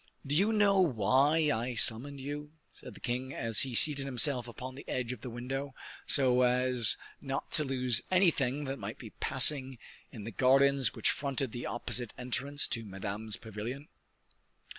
"Do you know why I summoned you?" said the king as he seated himself upon the edge of the window, so as not to lose anything that might be passing in the gardens which fronted the opposite entrance to Madame's pavilion.